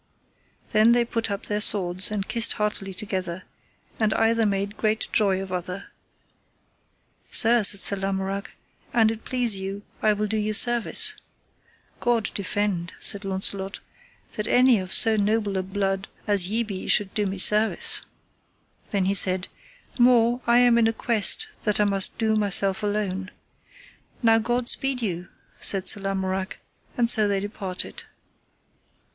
Then they put up their swords, and kissed heartily together, and either made great joy of other. Sir, said Sir Lamorak, an it please you I will do you service. God defend, said Launcelot, that any of so noble a blood as ye be should do me service. Then he said: More, I am in a quest that I must do myself alone. Now God speed you, said Sir Lamorak, and so they departed.